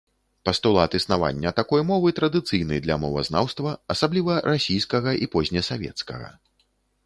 Пастулат існавання такой мовы традыцыйны для мовазнаўства, асабліва расійскага і позне-савецкага.